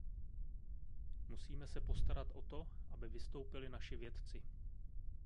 Musíme se postarat o to, aby vystoupili naši vědci.